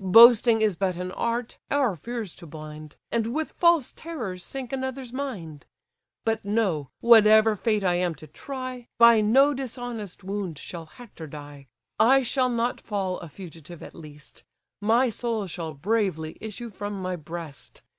Boasting is but an art, our fears to blind, And with false terrors sink another's mind. But know, whatever fate I am to try, By no dishonest wound shall Hector die. I shall not fall a fugitive at least, My soul shall bravely issue from my breast.